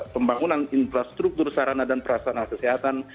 pembangunan infrastruktur sarana dan perasana kesehatan